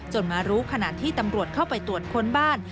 มารู้ขณะที่ตำรวจเข้าไปตรวจค้นบ้าน